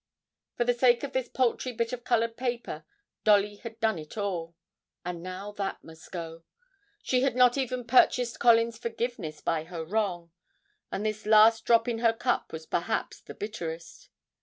For the sake of this paltry bit of coloured paper Dolly had done it all, and now that must go! she had not even purchased Colin's forgiveness by her wrong and this last drop in her cup was perhaps the bitterest.